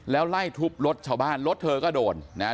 แล้วไล่ทุบรถชาวบ้านรถเธอก็โดนนะฮะ